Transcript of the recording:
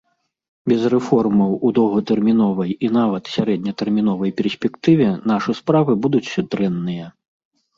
Без рэформаў у доўгатэрміновай і нават сярэднетэрміновай перспектыве нашы справы будуць дрэнныя.